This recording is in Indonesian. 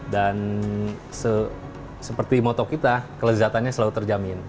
dan seperti moto kita kelezatannya selalu terjamin